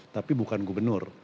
tapi bukan gubernur